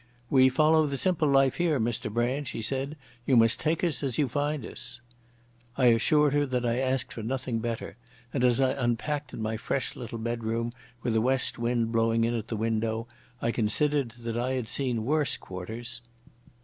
"We follow the simple life here, Mr Brand," she said. "You must take us as you find us." I assured her that I asked for nothing better, and as I unpacked in my fresh little bedroom with a west wind blowing in at the window I considered that I had seen worse quarters.